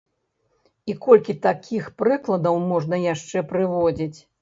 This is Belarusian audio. І колькі такіх прыкладаў можна яшчэ прыводзіць.